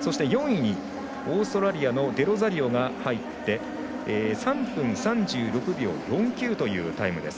そして４位にオーストラリアのデロザリオが入って３分３６秒４９というタイムです。